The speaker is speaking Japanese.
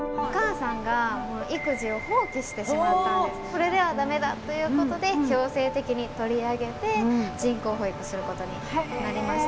これでは駄目だということで強制的に取り上げて人工哺育することになりました。